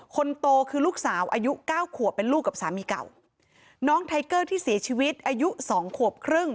คนโตคือลูกสาวอายุเก้าขวบเป็นลูกกับสามีเก่าน้องไทเกอร์ที่เสียชีวิตอายุสองขวบครึ่ง